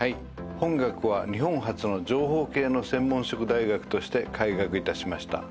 本学は日本初の情報系の専門職大学として開学致しました。